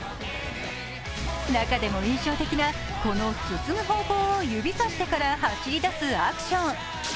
中でも印象的な、この進む方向を指さしてから走り出すアクション。